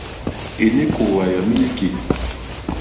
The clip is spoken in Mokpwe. Èné kòòwà yà mílíkì.